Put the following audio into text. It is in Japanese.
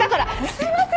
すいません！